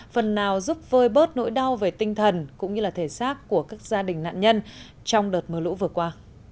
phần nào giúp vơi bớt nỗi đau về tinh thần cũng như thể xác của các gia đình nạn nhân trong đợt mưa lũ vừa qua